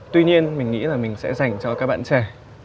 tuy nhiên mình nghĩ là mình sẽ dành cho các bạn trẻ